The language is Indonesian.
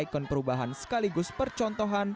ini sebagai ikon perubahan sekaligus percontohan